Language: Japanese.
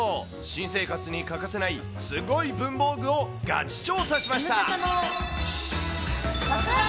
新生活に欠かせない、すごい文房具をガチ調査しました。